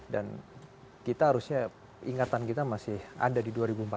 dan kita harusnya ingatan kita masih ada di dua ribu empat belas